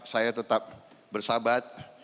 saya tetap bersahabat